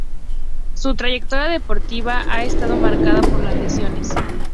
Su trayectoria deportiva ha estado marcada por las lesiones.